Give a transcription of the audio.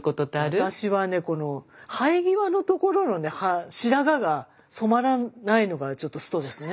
私はねこの生え際のところの白髪が染まらないのがちょっとストレスね。